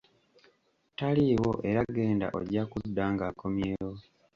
Taliiwo era genda ojja kudda ng'akomyewo